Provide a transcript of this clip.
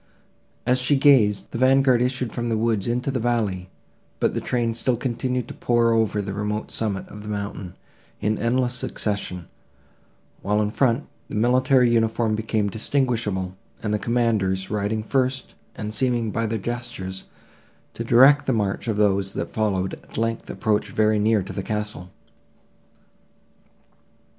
As she gazed, the vanguard issued from the woods into the valley, but the train still continued to pour over the remote summit of the mountain, in endless succession; while, in the front, the military uniform became distinguishable, and the commanders, riding first, and seeming, by their gestures, to direct the march of those that followed, at length, approached very near to the castle.